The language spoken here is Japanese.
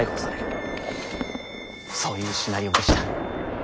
そういうシナリオでした。